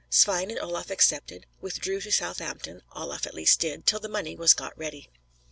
Svein and Olaf accepted; withdrew to Southampton Olaf at least did till the money was got ready.